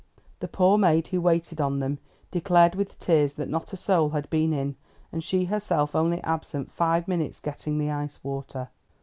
The poor maid who waited on them declared with tears that not a soul had been in, and she herself only absent five minutes getting the ice water.